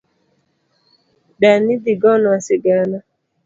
Dani dhi gonwa sigana